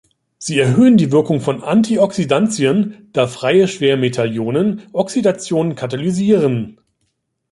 Sie erhöhen die Wirkung von Antioxidantien, da freie Schwermetallionen Oxidationen katalysieren.